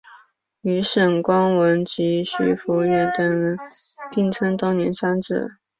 与沈光文及徐孚远等人并称东宁三子。